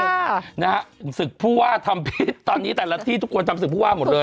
ก็ต้องมานั่งกันเอง๓คนนะฮะศึกผู้ว่าทำพิษตอนนี้แต่ละที่ทุกคนทำศึกผู้ว่าหมดเลย